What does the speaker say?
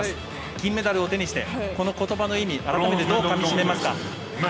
金メダルを手にして、このことばの意味、改めてどうかみしめますか？